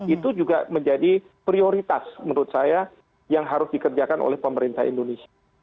itu juga menjadi prioritas menurut saya yang harus dikerjakan oleh pemerintah indonesia